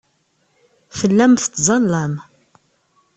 Tellam tettẓallam.